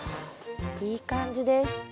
いい感じです。